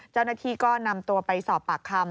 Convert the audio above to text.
เจ้าหน้าที่ก็นำตัวไปสอบปากคำ